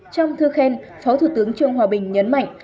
trong thư khen phó thủ tướng trương hòa bình nhấn mạnh